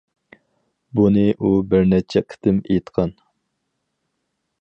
بۇنى ئۇ بىر نەچچە قېتىم ئېيتقان.